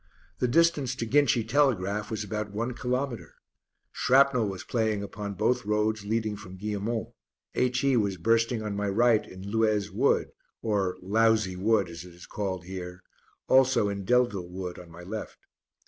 The distance to Ginchy Telegraph was about one kilometre. Shrapnel was playing upon both roads leading from Guillemont, H.E. was bursting on my right in Lueze Wood, or "Lousy Wood," as it is called here, also in Delville Wood on my left.